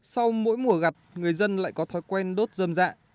sau mỗi mùa gặt người dân lại có thói quen đốt dơm dạ